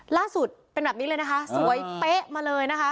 ล่าสุดเป็นแบบนี้เลยนะคะสวยเป๊ะมาเลยนะคะ